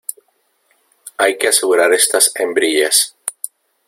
hay que asegurar estas hembrillas.